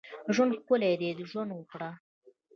ژوند ښکلی دی ، ژوند وکړئ